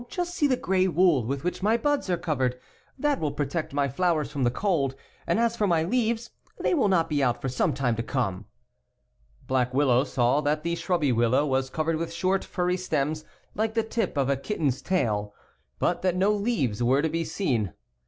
Just see the gray wool with which my buds are covered. That .will protect my flowers from the cold, and as for my leaves, they will not be out for some time to come." ^'°''*^"^'''^"■"""^ Black Willow saw that the shrubby willow was covered with short, furry stems, like the tip of a kit ten's tail (Fig. i), but that no leaves were to be seen.